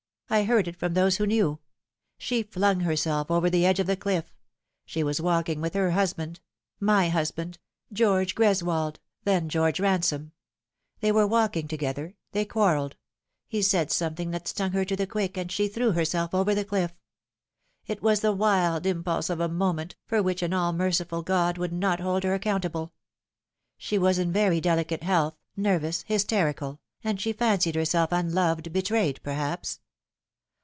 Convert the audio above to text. I heard it from those who knew. She flung herself over the edge of the cliff ; she was walking with her husband my husband, George Greswold then George Ransome ; they were walking together ; they quarrelled ; he said something that stung her to the quick, and she threw herself over the cliff. It was the wild impulse of a moment, for which an all merciful God would not hold her accountable. She was in very delicate health, nervous, hysterical, and she fancied herself unloved, betrayed, perhaps.